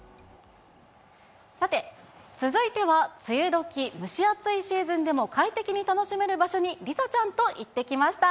さて、続いては、梅雨時、蒸し暑いシーズンでも快適に楽しめる場所に、梨紗ちゃんと行ってきました。